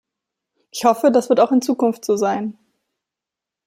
Ich hoffe, das wird auch in Zukunft so sein.